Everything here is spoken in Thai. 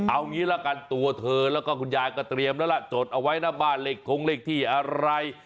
เอางี้ละกันตัวเธอแล้วก็คุณยายก็เตรียมแล้วล่ะจดเอาไว้หน้าบ้านเลขทงเลขที่อะไร